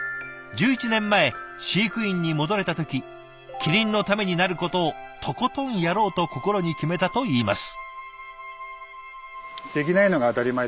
１１年前飼育員に戻れた時キリンのためになることをとことんやろうと心に決めたといいます。